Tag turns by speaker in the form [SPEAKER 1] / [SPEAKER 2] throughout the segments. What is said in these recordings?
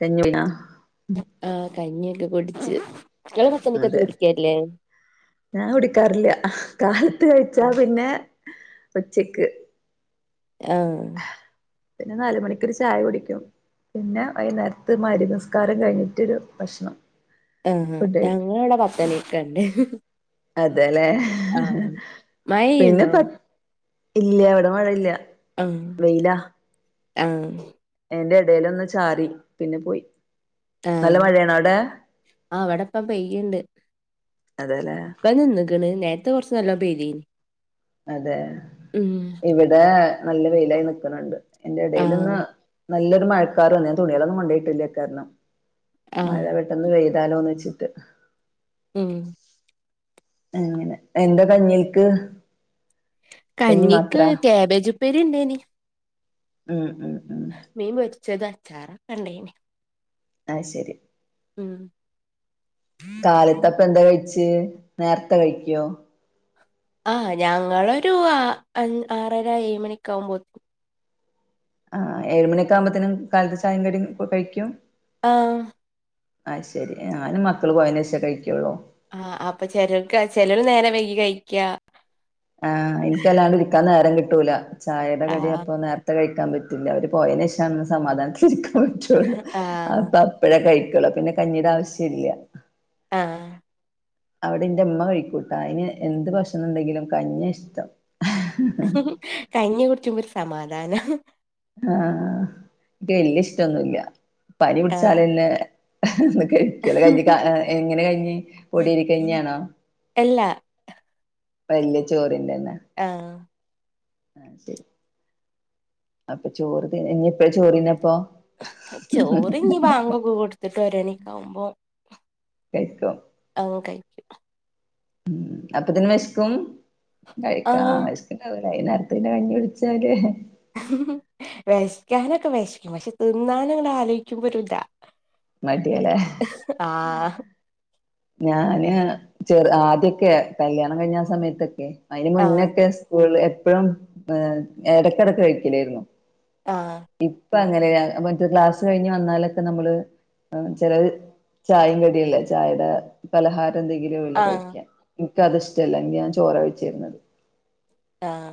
[SPEAKER 1] കഞ്ഞുന
[SPEAKER 2] ആഹ് കഞ്ഞിയൊക്കെ കുടിച്ച് ങ്ങള് പത്തണിക്കത്ത്
[SPEAKER 1] അതെ
[SPEAKER 2] കുടിക്കേല്ലേ?
[SPEAKER 1] ഞാൻ കുടിക്കാറില്ല കാലത്ത് കഴിച്ചാ പിന്നെ ഉച്ചക്ക്
[SPEAKER 2] ആഹ്
[SPEAKER 1] പിന്നെ നാല്മണിക്കൊരു ചായ കുടിക്കും പിന്നെ വൈന്നേരത്ത് മഹ് രിബ് നിസ്കാരം കഴിഞ്ഞിട്ടൊരു ഭക്ഷണം
[SPEAKER 2] ഏഹ്
[SPEAKER 1] ഫുഡ് കഴിക്കും
[SPEAKER 2] ഞങ്ങളവടെ പത്ത്മണിക്കെണ്ട്
[SPEAKER 1] അതെലേ പിന്നെ
[SPEAKER 2] മഴെയ്യ്ണ്ടോ
[SPEAKER 1] പത് ഇല്ല ഇവിടെ മഴ ഇല്യ
[SPEAKER 2] ഉം ആഹ്
[SPEAKER 1] അയ്ന്റെടേലൊന്ന് ചാറി പിന്നെ പോയി നല്ല
[SPEAKER 2] ആഹ്
[SPEAKER 1] മഴയാണോ അവിടെ
[SPEAKER 2] ആ. ഇവിടെ ഇപ്പം പെയ്യ്‌ഇണ്ട്
[SPEAKER 1] അതെല്ലേ
[SPEAKER 2] ഇപ്പം നിന്ന്ക്ക്ണ് നേരത്തെ കൊർച്ച് നല്ലോ പെയ്തിനി
[SPEAKER 1] അതെ
[SPEAKER 2] ഉം
[SPEAKER 1] ഇവിടെ നല്ല വെയിലായി നിക്ക്ണിണ്ട് അയ്ന്റെടേലൊന്ന്
[SPEAKER 2] ആഹ്
[SPEAKER 1] നല്ലൊരു മഴക്കാർ വന്ന് തുണികളൊന്നും കൊണ്ടയിട്ടില്ല അയ് കാരണം മഴ
[SPEAKER 2] ആഹ്
[SPEAKER 1] പെട്ടെന്ന് പെയ്താലോന്നെച്ചിട്ട്
[SPEAKER 2] ഉം
[SPEAKER 1] ഏഹ് എന്താ കഞ്ഞിൽക്ക് കഞ്ഞി മാത്ര
[SPEAKER 2] കഞ്ഞിക്ക് കേബേജ് ഉപ്പേരിണ്ടേയ്നി
[SPEAKER 1] ഉം ഉം ഉം
[SPEAKER 2] മീൻ പൊരിച്ചത് അച്ചാറ് ഒക്കെണ്ടേയ്നി
[SPEAKER 1] ആഹ് ശെരി
[SPEAKER 2] ഉം
[SPEAKER 1] കാലത്തപ്പ എന്താ കഴിച്ചു നേരത്തെ കഴിക്കുവോ
[SPEAKER 2] ആഹ് ഞങ്ങളൊരു ആറര ഏഴ് മണി ഒക്കെ ആവുമ്പോ
[SPEAKER 1] ആ ഏഴുമണി ഒക്കെ ആകുമ്പഴേത്തിന് കലത്ത് ചായം കടി കഴിക്കും
[SPEAKER 2] ആഹ്
[SPEAKER 1] ആയ് ശരി ഞാനും മക്കള് പോയെന് ശേഷം കഴിക്കെള്ളൂ
[SPEAKER 2] ആഹ് അപ്പൊ ചിലർക്ക് ചിലർ നേരെ വൈകി കഴിക്കാ
[SPEAKER 1] ആഹ് എനക്ക്ല്ലാണ്ട് ഇരിക്കാൻ നേരം കിട്ടൂല ചായയുടെ കടി
[SPEAKER 2] ആഹ്
[SPEAKER 1] അപ്പം നേ നേരത്തെ കഴിക്കാൻ പറ്റില്ല അവര് പോയനശോഷം ഒന്ന് സമാധാനത്തില്. ഇരിക്കാൻ പറ്റുള്ളൂ
[SPEAKER 2] ആഹ്
[SPEAKER 1] അപ്പ ഇപ്പോഴേ കഴിക്കുള്ളൂ പിന്നെ കഞ്ഞീടെ ആവശ്യം ഇല്ല
[SPEAKER 2] ആഹ്
[SPEAKER 1] അവിടെ എന്റെ അമ്മ കഴിക്കൂട്ടാ അതിന് എന്ത് ഭക്ഷണം ഉണ്ടെങ്കിലും കഞ്ഞിയാ ഇഷ്ടം
[SPEAKER 2] കഞ്ഞി കുടിച്ചുബെ ഒരു സമാധാനാ
[SPEAKER 1] ആഹ് എനിക്ക് വല്യ ഇഷ്ടം. ഓന്നും ഇല്ല പനി
[SPEAKER 2] ആഹ്
[SPEAKER 1] പിടിച്ചാലല്ലെ കഴിക്കല്ല കഞ്ഞി എങ്ങനെ കഞ്ഞി പൊടി അരി കഞ്ഞി ആണോ
[SPEAKER 2] എല്ലാ
[SPEAKER 1] വലിയ ചോറിന്റെ തന്നെ
[SPEAKER 2] ആഹ്
[SPEAKER 1] അപ്പൊ ചോറ് തിന്ന ഇഞ് എപ്പഴാ ചോറ് തിന്നപ്പോ
[SPEAKER 2] ചോറിന് ഇഞ്ഞ് ബാങ്ക് ഒക്കെകൊടുത്തിട്ട് ഒരെണിഒക്കെ ആവുമ്പോ
[SPEAKER 1] കഴിക്കോ
[SPEAKER 2] ആഹ് കഴിക്കും
[SPEAKER 1] ഉം അപ്പതിന് വിശക്കും കഴിക്കാം
[SPEAKER 2] ആഹ്
[SPEAKER 1] അ വൈ നേരത്തെ കഞ്ഞി കുടിച്ചാല്
[SPEAKER 2] വെശക്കാനൊക്കെ വെശക്കും പക്ഷെ തിന്നാന്ന് ങ്ങൾ ആലോചിക്കുമ്പോഴും ഒര് ഇതാ
[SPEAKER 1] മടിയാല്ലേ
[SPEAKER 2] ആഹ്
[SPEAKER 1] ഞാന് ചെറു ആദ്യൊക്കെ കല്യാണം കഴിഞ്ഞ സമയത്തൊക്കെ അയിന്
[SPEAKER 2] ആഹ്
[SPEAKER 1] മുന്നൊക്കെ സ്കൂളിലും എപ്പോഴും ഏ ഏടക് ഇടക്കിടക്ക് കഴിക്കലായിരുന്നു
[SPEAKER 2] ആഹ്
[SPEAKER 1] ഇപ്പൊ അങ്ങനെയ മറ്റൊ ക്ലാസ് കഴിഞ്ഞ് വന്നാലൊക്കെ നമ്മള് ചെല ചായെം കടിയല്ലേ ചായേടെ പലഹാരം എന്തെങ്കിലു ഇല്ല
[SPEAKER 2] ആഹ്
[SPEAKER 1] കഴിക്കാൻ ഇൻക്കത് ഇഷ്ടല്ല ഇന്ന് ഞാൻ ചോറ കഴിച്ചിരുന്നത്.
[SPEAKER 2] ആഹ്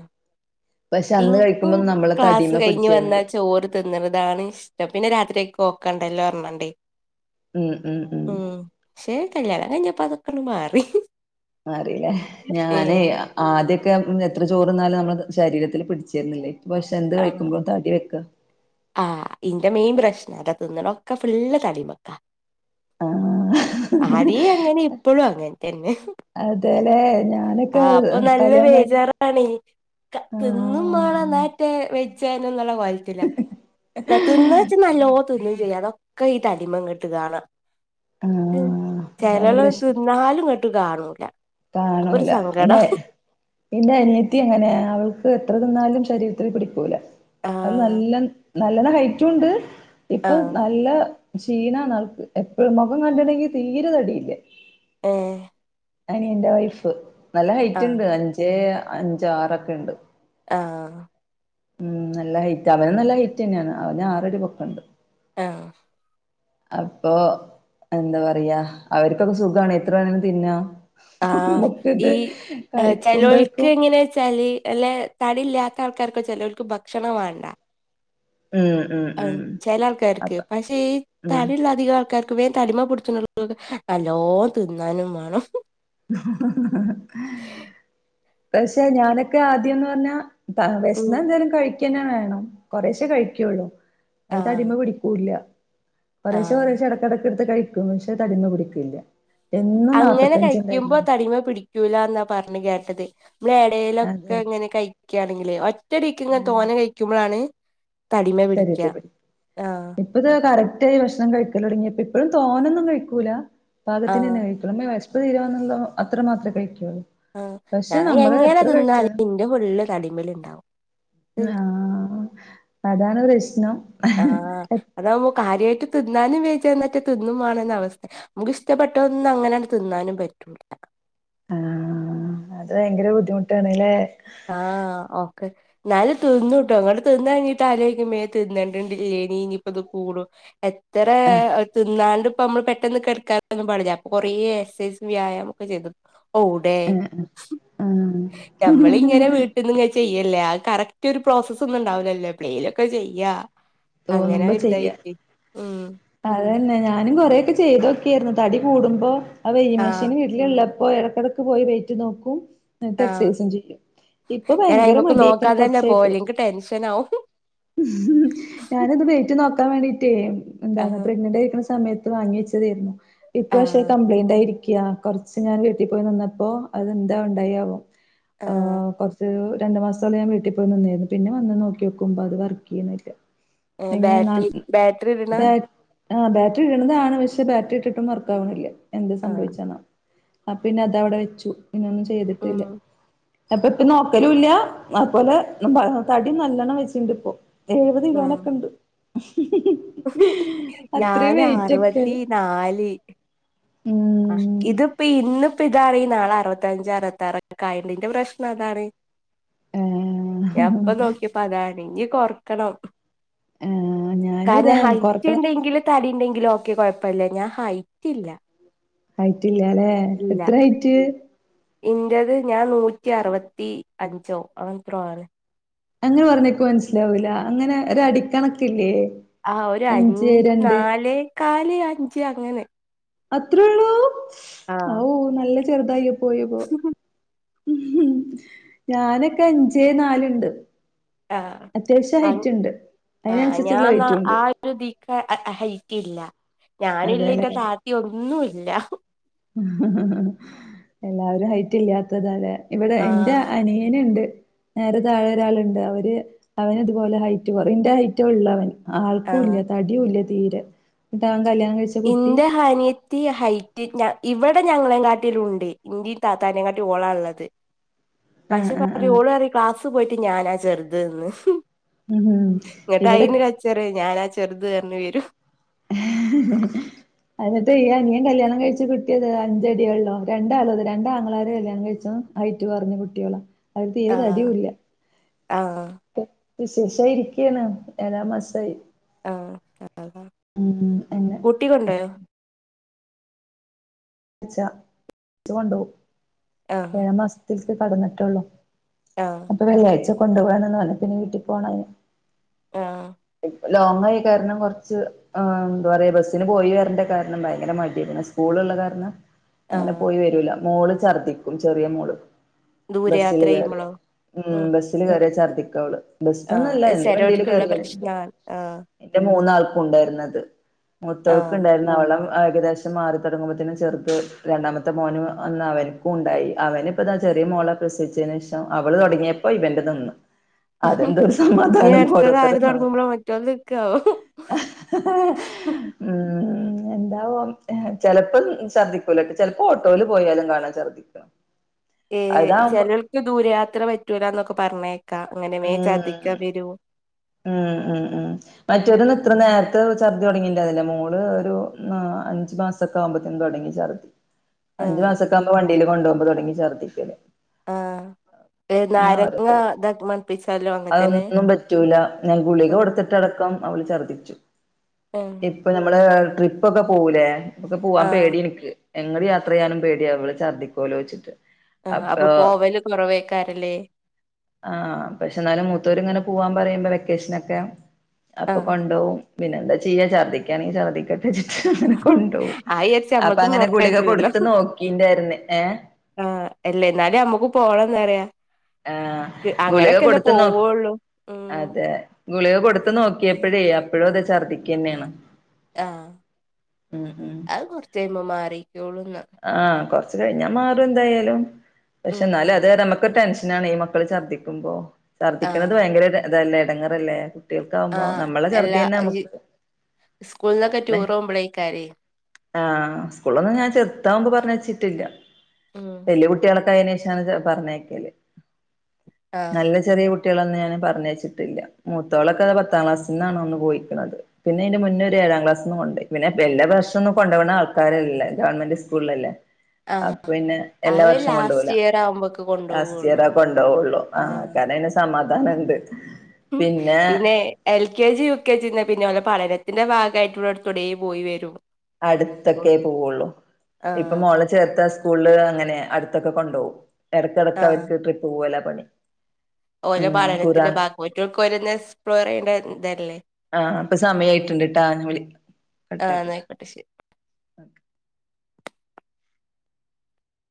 [SPEAKER 1] പക്ഷെ അന്ന് കഴിക്കുമ്പോ
[SPEAKER 2] ഇൻക്കും
[SPEAKER 1] നമ്മളെ
[SPEAKER 2] ക്ലാസ്
[SPEAKER 1] തടിമ
[SPEAKER 2] കഴിഞ് വന്നാ
[SPEAKER 1] പിടിച്ചേരുന്നില്ല
[SPEAKER 2] ചോറ് തിന്ന്ണതാണ് ഇസ്ടം പിന്നെ രാത്രിക്ക് കോക്കണ്ടല്ലോ അറ്ഞ്ഞാണ്ടേ.
[SPEAKER 1] ഉം ഉം ഉം
[SPEAKER 2] ശെ കല്യാണം കഴിഅഞ്ഞപ്പൊതൊക്കെണ്ട് മാറി
[SPEAKER 1] മാറില്ലേ ഞാന്
[SPEAKER 2] ഏഹ്
[SPEAKER 1] ആദ്യൊക്കെ [unintelligible] എത്ര ചോറ്ന്നാലും നമ്മളെ ശരീരത്തില് പിടിച്ചിരുന്നില്ലേ. ഇപ പക്ഷെ എന്ത്
[SPEAKER 2] ആഹ്
[SPEAKER 1] കഴിക്കുമ്പോ താടി വെക്ക
[SPEAKER 2] ആഹ് ഇന്റെ മെയിൻ പ്രശ്നം അതാ തിന്ന്ണൊക്കെ ഫുള്ള് തടി വെക്കാ
[SPEAKER 1] ആഹ്
[SPEAKER 2] ആദ്യേ അങ്ങനെ ഇപ്പഴും അങ്ങൻ തന്നെ
[SPEAKER 1] അതലേ ഞാനൊക്കെ കല്ല്യാണം
[SPEAKER 2] ബേജാറാണി തിന്നും
[SPEAKER 1] ആഹ്
[SPEAKER 2] മാണ ന്ന എറ്റേ വെജ എന്നന്നുള്ള കോലത്തിലാ [inaudible] എന്നാ തിന്ന് വെച്ച് നല്ലോ തിന്നു ചെയ്യാം അതൊക്കെ ഈ തടിമ്മ ഇങ്ങട്ട് കാണാം ഉം
[SPEAKER 1] ആഹ് അതാണ്
[SPEAKER 2] ചെലോല്
[SPEAKER 1] പ്രശ്നം
[SPEAKER 2] തിന്നാലു ഇങ്ങട്ട് കാണൂല അപ്പൊ ഒരു
[SPEAKER 1] കാണൂല
[SPEAKER 2] സങ്കടം
[SPEAKER 1] ഇതെ ഇന്റെ അനിയത്തി അങ്ങനേ അവൾക്ക് എത്ര തിന്നാലും ശരീരത്തില് പിടിക്കൂല. അത്
[SPEAKER 2] ആഹ്
[SPEAKER 1] നല്ലൻ നല്ലണ് അയ്റ്റൂണ്ട് ഇപ്പൊ
[SPEAKER 2] ആഹ്
[SPEAKER 1] നല്ല ക്ഷീണാ വൾക്ക്. എപ്പളും മൊഖം കണ്ട്ണെങ്കി തീരെ തടിയില്ല
[SPEAKER 2] ഏഹ്
[SPEAKER 1] അയ്നിന്റെ വൈഫ് നല്ല ഹൈറ്റ്
[SPEAKER 2] ആഹ്
[SPEAKER 1] ഉണ്ട് അഞ്ചെ അഞ്ച് ആറൊക്കെ ഉണ്ട്
[SPEAKER 2] ആഹ്
[SPEAKER 1] ഉം നല്ല ഹൈറ്റ് അവന നല്ല ഹൈറ്റ് തന്നേയാണ് അവന് ആറടി പൊക്ക ണ്ട്.
[SPEAKER 2] ആഹ്
[SPEAKER 1] അപ്പൊ എന്താ പറയാ അവര് കൊക്കെ സുഖാണ് എത്ര വേണങ്കിലും തിന്ന.
[SPEAKER 2] ആ ഈ ചെലോൽക്ക്
[SPEAKER 1] കഴിക്കുമ്പോഴേക്കും
[SPEAKER 2] എങ്ങനെ വെച്ചാൽ ല്ലെ. തടി ഇല്ലാത്ത ആൾക്കാർക്ക് ചെ ലോർക്ക് ഭക്ഷണം വേണ്ട.
[SPEAKER 1] ഉം ഉം ഉം
[SPEAKER 2] ചെല ആൾക്കാർക്ക്
[SPEAKER 1] അപ്പ
[SPEAKER 2] പക്ഷേ ഈ
[SPEAKER 1] ഉം
[SPEAKER 2] തടിലധിക ആൾക്കാർക്ക്. വേ തടിമ്മ പുട്ച്ചു [unintelligible] ന്ന് ളോൽക്ക് നല്ലോ തിന്നാനും മാണം.
[SPEAKER 1] പക്ഷെ ഞാനൊക്കെ ആദ്യന്ന് പറഞ്ഞാ. ത്ത
[SPEAKER 2] ഉം
[SPEAKER 1] വെഷ്ന്നാ എന്തേലും കഴിക്കന്നേ വേണം കൊറേശേ കഴിക്ക്യാെള്ളൂ. അത്
[SPEAKER 2] ആഹ്
[SPEAKER 1] തടിമെ പിടിക്കൂല്ല. കൊറേശെ
[SPEAKER 2] ആഹ്
[SPEAKER 1] കൊറേശെ എടക്ക്ടക്ക് എടുത്ത് കഴി [unintelligible] തടിമപിടിക്കെ ഇല്ല എന്നും നാപ്പത്തഞ്ച്.
[SPEAKER 2] ക്ക്യുമ്പോ
[SPEAKER 1] ഉണ്ടായിരുന്നുള്ളു
[SPEAKER 2] തടിമ പിടിക്കൂല ഇന്നാ പറഞ് കേട്ടത്. നമ്മള് ഏടേലൊക്കെ
[SPEAKER 1] അതെ
[SPEAKER 2] ഇങ്ങനെ കഴിക്കുമ്പം. ക്ക്യാണെങ്കിലേ ഒറ്റടിക്ക് ഇങ്ങെ തോനെ കഴിക്കുമ്പഴാണ്. ആഹ്
[SPEAKER 1] [unintelligible] ഇപ്പ ഇത് കറക്റ്റാ യി ഭക്ഷണം കഴിക്കല് തൊടങ്ങിട്ട് ഇപ്പഴും തോന്നൊന്നും കഴിക്കൂല പാകത്തിനെ
[SPEAKER 2] ആഹ്
[SPEAKER 1] ന്നെ കഴിക്ക. നല്ല വെഷ്പ് തീരാനുണ്ടൊ അത്ര മാത്യേ കഴിക്ക്യുള്ളൂ.
[SPEAKER 2] ആ ഞാൻ എങ്ങനെ തിന്നാലും ഇന്റെ ത് ഫുള്ള് തടിമല് ഇണ്ടാവും.
[SPEAKER 1] ആഹ് അതാണ് പ്രശ്നം.
[SPEAKER 2] ആഹ് അതാവുമ്പോ കാര്യായിട്ട് തിന്നാനും വേജ ന്നറ്റെ തിന്നും മാണംന്ന വസ്ഥ. നമുക്ക് ഇഷ്ടപ്പെട്ട ഒന്നും അങ്ങനെ ആണ്ട് തിന്നാനും പറ്റൂല്ല.
[SPEAKER 1] ആഹ് അത് ഭയങ്കര ബുദ്ധിമുട്ടാണ്ലേ?
[SPEAKER 2] ആഹ ഓക്കെ. ഇന്നാലും തിന്നുട്ടോ ഇങ്ങട്ട് തിന്ന് കഴിഞ്ഞിട്ട് ആലോചിക്കും മേ തിന്നേണ്ടിണ്ടിലേനി ഇഞ്പ്പത് കൂടും. എത്ര തിന്നാണ്ടും. അപ്പ നമ്മള് പെട്ടെന്ന് കെട്ക്കാനൊന്നും പാടില്ല അപ്പൊ കൊറേ എക്സസൈസും വ്യായാമൊ ക്കെ ചെയ്തത് ഓ എവിടെ
[SPEAKER 1] ആഹ്
[SPEAKER 2] നമ്മളിങ്ങനെ. വീട്ട്ന്ന്ങ്ങെനെ ചെയ്യല്ലേ കറക്റ്റ് ഒരു പ്രോസസ് ഒന്നുണ്ടാവിലല്ലേ എപ്പളേലൊക്കെ ചെയ്യാ. അങ്ങനെ
[SPEAKER 1] തോന്നുമ്പോ ചെയ്യാ
[SPEAKER 2] ഒരുതായിട്ടെയ് ഉം.
[SPEAKER 1] അതന്നെ ഞാനും കൊറെ ഒക്കെ- ചെയ്തോക്കിയായിരുന്നു തടി കൂടുമ്പോ ആ വെ്യ
[SPEAKER 2] ആഹ്
[SPEAKER 1] മെഷീന് എടു- ല്ലല്ല ഇപ്പോ ഇടക്കിടക്ക് പോയി വെറ്റ് നോക്കും. എന്നിട്ട്
[SPEAKER 2] ആഹ്
[SPEAKER 1] എക്സസൈസും ചെയ്യും. ഇപ്പോ
[SPEAKER 2] ഞാൻ
[SPEAKER 1] ഭയങ്കര
[SPEAKER 2] അയിമക്ക്
[SPEAKER 1] മടി ആയിക്ക്ണ്
[SPEAKER 2] നോക്കാൻ തന്നെ
[SPEAKER 1] കൊറച്ചായിട്ട്.
[SPEAKER 2] പോവല്ല എനിക്ക് ടെൻഷൻ ആവും
[SPEAKER 1] ഉ ഞാനിത് വേറ്റ് നോക്കാൻ വേണ്ടീട്ടേ എന്താണ്
[SPEAKER 2] ആഹ്
[SPEAKER 1] പ്രഗ്നന്റ് ആയിരിക്കുന്ന സമയത്ത്. വാങ്ങി വെച്ചതായിരുന്നു ഇപ്പ- പക്ഷെ
[SPEAKER 2] ആഹ്
[SPEAKER 1] കംപ്ലയിന്റ് ആയിരിക്കയാ. കുറച്ച് ഞാൻ വീട്ടിൽ പോയി നിന്നപ്പോ അതെന്താ ഇണ്ടായാവോ,
[SPEAKER 2] ആഹ്
[SPEAKER 1] കുറച്ച്- അത് രണ്ട് മാസത്തോളം ഞാൻ- വീട്ടിൽ പോയി നിന്നായിരുന്നു, പിന്നെ വന്ന് നോക്കി ഓക്കുമ്പോൾ അത് വർക്ക് ചെയ്യുന്നില്ല.
[SPEAKER 2] ബാറ്ററി ബാറ്ററി ഇടണ
[SPEAKER 1] [unintelligible] ആ ബാറ്ററി ഇട്ണതാണ് പക്ഷെ, ബാറ്ററി ഇട്ടിട്ടും വർക്ക് ആവണില്ല എന്ത്
[SPEAKER 2] ആഹ്
[SPEAKER 1] സംഭവിച്ച ആവോ. ആപ്പ പിന്നെ അതവിടെ വെച്ചു. പിന്നൊന്നും
[SPEAKER 2] ഉം
[SPEAKER 1] ചെയ്തിട്ടില്ല. അപ്പ ഇപ്പ നോക്കലുംല്ല, അതുപോലെ തടി നല്ലോണ്ണം വെച്ചിണ്ട് ഇപ്പോ. എഴുപത്
[SPEAKER 2] ആഹ്
[SPEAKER 1] കിലോനൊക്കെ ഉണ്ട്. അത്രയും
[SPEAKER 2] ഞാന്
[SPEAKER 1] വെയിറ്റ് ഒക്കെ
[SPEAKER 2] അറുപത്തി നാല്.
[SPEAKER 1] ഉം..
[SPEAKER 2] ഇതിപ്പ ഇന്നിപ്പോ ഇതാണ് ഈ നാളെ അറുപത്തഅഞ്ചു ആയാണ്ട് ഇന്റെ പ്രശ്നം അതാണ്. അപ്പൊ നോക്കിയപ്പ അതാണെങ്കി കൊറക്കണം.
[SPEAKER 1] ആഹ് ഞാന് ഇത
[SPEAKER 2] കാരണം ഹൈറ്റ്
[SPEAKER 1] കൊറക്കണം
[SPEAKER 2] ഇണ്ടെങ്കിൽ- തടി ഇണ്ടെങ്കിലും ഒക്കെ കൊഴപ്പല്ല ഞാൻ ഹൈറ്റ് ഇല്ല.
[SPEAKER 1] ഹൈറ്റില്ലല്ലെ എത്ര ഹയിറ്റ്?
[SPEAKER 2] എന്റേത് ഞാൻ നൂറ്റി- അറുപത്തഞ്ചോ അങ്ങനെ എത്രോ ആണ്.
[SPEAKER 1] അങ്ങനെ പറഞ്ഞേ ന്ക് മനസ്സിലാവൂല അങ്ങനെ ഒരു അടിക്കണക്കില്ലേ?
[SPEAKER 2] ആ ഒരു അഞ്
[SPEAKER 1] അഞ്ച് രണ്ട്
[SPEAKER 2] നാലേ കാല്, അഞ്ച് അങ്ങനെ.
[SPEAKER 1] അത്രയള്ളൂ
[SPEAKER 2] ആഹ്
[SPEAKER 1] ആവൂ നല്ല ചെറുതായി പോയിപ്പോ. ഹ് ഹ് ഞാനൊക്കെ അഞ്ചേ നാലുണ്ട്. അത്യാവശ്യം
[SPEAKER 2] ആഹ്
[SPEAKER 1] ഹൈറ്റ് ഉണ്ട്, അതിനനുസരിച്ചുള്ള വെയിറ്റും ഉണ്ട്.
[SPEAKER 2] ദീക്ക് അ ഹൈറ്റില്ല ഞാനൂല്ല
[SPEAKER 1] അതെല്ലേ
[SPEAKER 2] ന്റെ താത്തി ഒന്നുല്ല.
[SPEAKER 1] എല്ലാവരും ഹൈറ്റ് ഇല്ലാത്തതാല്ലേ. ഇവിടെ എന്റെ
[SPEAKER 2] ആഹ്
[SPEAKER 1] അനിയനുണ്ട്. നേരെ താഴെ ഒരാളുണ്ട് അവര്- അവന ഇതുപോലെ ഹൈറ്റ്- കുറെയും ന്റെ ഹൈറ്റെ ഉള്ള അവന്. ആൾക്കും ഇല്ല
[SPEAKER 2] ആഹ്
[SPEAKER 1] തടിയും ഇല്ല തീരെ- ന്നെറ്റ് അവൻ കല്യാണം കഴിചദ്.
[SPEAKER 2] ഇന്റെ അനിയത്തി- ത്തി ഹൈറ്റ് ഇവിടെ ഞങ്ങളെ- കാട്ടിലും ഉണ്ട് ഇന്റെയും, താത്താനെ കാട്ടിലും ഓൾ ആണ് ഉള്ളത്
[SPEAKER 1] ആഹ്
[SPEAKER 2] പക്ഷേ
[SPEAKER 1] ആഹ്
[SPEAKER 2] പറിം
[SPEAKER 1] ആഹ്
[SPEAKER 2] ഓൾ പറിം ക്ലാസ് പോയിട്ട് ഞാനാ ചെറുതന്ന്.
[SPEAKER 1] ഉം
[SPEAKER 2] ഇങ്ങട്ട്
[SPEAKER 1] ഇവിടെ
[SPEAKER 2] അയിനൊരു കച്ചറിഞാന് ചെറുത് അറിഞ്ഞി വരും.
[SPEAKER 1] ഹ് ഹ് ഹ്.. അന്നിട്ട് ഈ അനിയൻ കല്യാണം കഴിച്ചു കിട്ടിയത് അഞ്ചടിയെ ഉള്ളൂ. രണ്ടാളും അതെ രണ്ടാങ്ങളാര് കല്യാണം കഴിച്ച. ഹൈറ്റ് കുറഞ്ഞ കുട്ടികള, അത് തീരെ
[SPEAKER 2] ആഹ്
[SPEAKER 1] തടിയുംല്ല.
[SPEAKER 2] ആഹ്.
[SPEAKER 1] വിശേഷമായി ഇരിക്കയാണ് ഏഴാമാസായി.
[SPEAKER 2] ആഹ് അതാ
[SPEAKER 1] ഉം എന്ന.
[SPEAKER 2] കൂട്ടി കൊണ്ടൊയോ?
[SPEAKER 1] ഈ വെള്ളിയാഴ്ച- കൂട്ടികൊണ്ടോവും
[SPEAKER 2] ആഹ്
[SPEAKER 1] ഏഴാ മാസത്തിലക്ക് കടന്നിട്ടള്ളൂ.
[SPEAKER 2] ആഹ്.
[SPEAKER 1] അപ്പ വെള്ളിയാഴ്ച കൊണ്ട്- പോകന്നന്ന് പറഞ്ഞ പിന്നെ വീട്ടിൽ പോണ.
[SPEAKER 2] ആഹ്.
[SPEAKER 1] ലോങ്ങായ കാരണം കുറച്ച്- ആഹ് എന്താ പറയാ ബസ്സിന് പോയി, വരന്റെ കാരണം ഭയങ്കര മടിയാ പിന്നെ സ്കൂളുള്ള കാരണം- അങ്ങനെ
[SPEAKER 2] ആഹ്
[SPEAKER 1] പോയി വരൂല മോള് ഛർദ്ദിക്കും, ചെറിയ മോള്.
[SPEAKER 2] ദൂരയാത്ര
[SPEAKER 1] ബസ്സില് കേയറിയ
[SPEAKER 2] ചെയ്യുമ്പളോ
[SPEAKER 1] ഉം, ബസ്സില് കേയറിയ ഛർദിക്കുഅവള്. ബസ്സന്നല്ലാ
[SPEAKER 2] അത്
[SPEAKER 1] എന്ത്‌ ബണ്ടീ ല്
[SPEAKER 2] ചെലോർക്കുള്ള
[SPEAKER 1] കയറിയാലും
[SPEAKER 2] ആഹ് പ്രശ്നാണ് ആഹ്
[SPEAKER 1] എന്റെ മൂന്നാൾക്കും ഉണ്ടായിരുന്നത്
[SPEAKER 2] ആഹ്
[SPEAKER 1] മൂതോൽക്കുണ്ടായ് അവളും ഏകദേശം മാറി തുടങ്ങുമ്പൊ ത്തിനും ചെറുത് രണ്ടാമത്തെ മോനും ഒന്നവനും ക്കു ഉണ്ടായി അവനിപ്പ താ ചെറിയ മോളെ പ്രസവിച്ച ന് ശേഷം അവള് തുടങ്ങിയപ്പോ ഇവന്റെ നിന്നു അതെന്തോ ഒരു
[SPEAKER 2] ഇനി
[SPEAKER 1] സമാധാനം
[SPEAKER 2] അട് ത്തത് ആര്
[SPEAKER 1] ഓരോരുത്തര് മാറും
[SPEAKER 2] തുടങ്ങുമ്പോളാ ഓ അ ത് നിക്കാ വോ
[SPEAKER 1] എന്താവും ചെ ലപ്പോം ഛദ്ദിക്കൂലട്ടോ ചെ പ്പോ ഓട്ടോൽ പോയാലും കാണാ ഛർദ്ദിക്ക
[SPEAKER 2] ഏഹ് ചിലൾക്ക് ദൂരയാത്ര പറ്റൂല ന്നൊക്കെ പറഞ്ഞെ
[SPEAKER 1] ഉം ഉം ഉം ഉം
[SPEAKER 2] ഉം
[SPEAKER 1] മറ്റെ ത് നിക്ക് ഇത്ര നേര് ത്ത് ഛർദി തുടങ്ങീ ണ്ടാ ന്നി ല്ലാ മോള് ഒരു ന്നാ അഞ്ച് മാ സൊ ക്കെ ആവുമ്പോത്തി ന് തൊട ങ്ങി ഛർദി അഞ്ചു
[SPEAKER 2] ആഹ്
[SPEAKER 1] മാസക്കെ ആകുമ്പോ വണ്ടീല് കൊണ്ട് പോകുമ്പോ തെ ടങ്ങി ഛർദിക്കൽ
[SPEAKER 2] ആഹ് ഏഹ് നാരങ്ങ
[SPEAKER 1] ഓരോരുത്തര്
[SPEAKER 2] താ ക്കി മണ് പ്പിച്ചാലോ?
[SPEAKER 1] അതൊന്നും പറ്റൂല ഞാൻ ഗുളിക കൊടുത്തിട്ടടക്കം അവള് ഛർദിച്ചു
[SPEAKER 2] ഏഹ്.
[SPEAKER 1] ഇപ്പൊ നമ്മള് ട്രിപ്പൊക്കെ പോകൂലേ ക്ക് പോവാൻ
[SPEAKER 2] ആഹ്
[SPEAKER 1] പേടിയാ ഇ ൻ ക്ക് എങ്‌ ട് യാത്ര ചെയ്യാനും പേടിയ ഇവൾ ഛർദിക്കോലോ ച്ചിട്ട്
[SPEAKER 2] ആഹ് അപ്പൊ പോവല് കുറവെക്കാ രം ലെ
[SPEAKER 1] ആ പക്ഷെ എന്നാലും മൂത്തോർ ഇങ്ങനെ പോവാ പറയുമ്പോ വെക്കേഷനൊക്കെ അപ്പൊ
[SPEAKER 2] ആഹ്
[SPEAKER 1] കൊണ്ടോ വും പിന്നെന്താ ചെയ്യാ ഛർദിക്കാണെ ങ്കി ചർദിക്ക അങ്ങനെ കൊണ്ടോ വും
[SPEAKER 2] അത് വിചാരിച്ച്
[SPEAKER 1] അപ്പൊ
[SPEAKER 2] നമ്മൾതും
[SPEAKER 1] അങ്ങനെ
[SPEAKER 2] നോർക്കാൻ
[SPEAKER 1] ഗുളിക
[SPEAKER 2] പറ്റൂലല്ലോ
[SPEAKER 1] കൊടുത്തു നോക്കിണ്ടാര് ന്നു ഏഹ്
[SPEAKER 2] ആഹ് എല്ലേന്നാലും നമ്മുക്ക് പോണംന്ന്റയാ
[SPEAKER 1] ആഹ് ഗുളിക
[SPEAKER 2] അങ്ങനെക്കെല്ലേ
[SPEAKER 1] കൊടുത്ത് നോ
[SPEAKER 2] പോവുള്ളൂ ഉം
[SPEAKER 1] അതെ ഗുളിക കൊടുത്ത്‌ നോക്കിയപ്പ ഴേ അപ്പോഴ തെ ഛർദ്ദിക്കന്നെണ്
[SPEAKER 2] ആഹ്
[SPEAKER 1] ഉം
[SPEAKER 2] അത് കൊറച്ചെ ഴുമ്പോ മാറികൊള്ളൂന്ന്
[SPEAKER 1] ആഹ് കൊറച്ച് കഴിഞ്ഞാ മാറുംഎ ന്തായാലും പക്ഷെ
[SPEAKER 2] ഉം
[SPEAKER 1] എന്നാലും അത് രെ നമക്ക് ക്കെ ടെൻഷനാണെ ഈ മക്കൾഛർദിക്കുമ്പോ
[SPEAKER 2] ആഹ്
[SPEAKER 1] ഛർദിക്കണന്നത് ഭയങ്കര ഇതല്ലേ എ ടങ്ങറല്ലേ കുട്ടികൾക്കാവുമ്പോ
[SPEAKER 2] ആഹ്
[SPEAKER 1] നമ്മള
[SPEAKER 2] എല്ലാ
[SPEAKER 1] ഛർദ്യന്നെ
[SPEAKER 2] ഈ
[SPEAKER 1] നമ്മുക്ക്
[SPEAKER 2] സ്കൂളിന്നൊക്കെ ടൂർ പോകുമ്പോളേക്കാരേ
[SPEAKER 1] ആഹ സ്കൂളൊന്നും ഞാൻ ചെർ താ വു മ്പോ പറഞ്ഞ ച്ചിട്ടില്ല
[SPEAKER 2] ഉം
[SPEAKER 1] വല്യ കുട്ടികളൊക്കെ ആയ് നെ പറഞ്ഞക്കല്
[SPEAKER 2] ആഹ്
[SPEAKER 1] നല്ല ചെറിയ കു കുട്ടികളൊന്ന ഞാന് പറഞ്ഞയ്ച്ചിട്ടില്ല. മൂത്തോളൊക്കെ അ പത്താം ക്ലാസ്സിന്നാണ് ഒന്ന് പോയ് ക്ണത് പിന്നെ അയിന്റെ മുന്നേ രു ഏയാക്ലാസ്ന്ന് കൊണ്ടോയി പ പിന്നെല്ലാ ബർ ശ്യ ന്നും കൊണ്ടോണ ആൾക്കാരല്ല ഗവണ്മെന്റ് ഗവമെന്റ്സ്കൂൾ.. സ്കൂൾ ള ല്ലേ അപ്പ് പിന്നെ എല്ലാ
[SPEAKER 2] അത്
[SPEAKER 1] വർഷവും
[SPEAKER 2] ലാസ്റ്റ്
[SPEAKER 1] കൊണ്ടോവുല
[SPEAKER 2] ഇയർ ആവുമ്പോക്കെ
[SPEAKER 1] ലാസ്റ്റ്
[SPEAKER 2] കൊണ്ടോവുള്ളു
[SPEAKER 1] ഇയറാ കൊണ്ടോവൊ ള്ളു ആഹ..
[SPEAKER 2] ആഹ്
[SPEAKER 1] കാരണം സമാധാനംണ്ട്
[SPEAKER 2] ഉമ് പിന്നെ L K G U K G ഞ പിന്നെലെ പഠനത്തിന്റെ ഭാഗമായിട്ടുള്ളടത്തോടെ പോയി വരും
[SPEAKER 1] അടുത്തൊക്കെ
[SPEAKER 2] ഓടും
[SPEAKER 1] പോവുള്ളൂ ഇപ്പം
[SPEAKER 2] ആഹ്
[SPEAKER 1] മോള ചേർത്ത സ്കൂൾ ള് അങ്ങനെ അടുത്തൊക്കെ കൊണ്ടോകും എടക്കിടക്ക് അവർക്ക് ട്രിപ്പ് പോവലാ പണി
[SPEAKER 2] ഓരോ
[SPEAKER 1] ഉം
[SPEAKER 2] പാഠനത്തിന്റെ
[SPEAKER 1] ഖുറാൻ
[SPEAKER 2] ഭാഗമായിട്ട് ഒറ്റൾക് ഓരോ ന്ന് എക്സ്പ്ലോർ യ്യേണ്ട തല്ലേ
[SPEAKER 1] ആഹ് അപ്പൊ സമയ യിട്ടുണ്ട് ട്ടാഞ്ഞവിളി..
[SPEAKER 2] ആഹ് നയിക്കോട്ടെ ശരി
[SPEAKER 1] [inaudible]